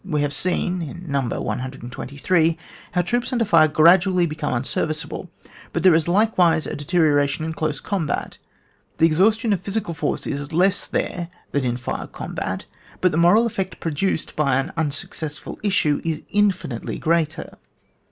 We have seen, in No. 123, how troops under fire gradually become un serviceable ; but there is likewise a dete« rioration in close combat. The exhaus tion of physical force is less there than in fire combat, but the moral effect produced by an unsuccessful issue' is infinitely greater.